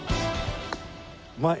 うまい。